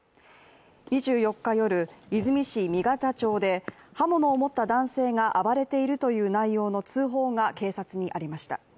２４日夜、和泉市箕形町で、刃物を持った男性が暴れているという内容の通報が警察にありました。